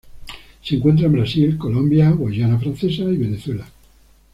Se encuentra en Brasil, Colombia, Guayana francesa y Venezuela.